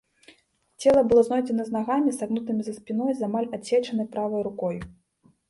Цела было знойдзена з нагамі, сагнутымі за спіной, з амаль адсечанай правай рукой.